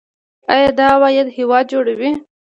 آیا دا عواید هیواد جوړوي؟